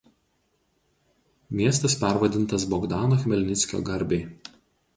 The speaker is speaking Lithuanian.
Miestas pervadintas Bogdano Chmelnickio garbei.